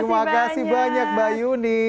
terima kasih banyak mbak yuni